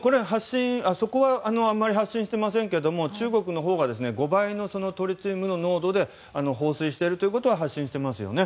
そこはあまり発信していませんけども中国のほうが５倍のトリチウム濃度で放水しているということは発信していますよね。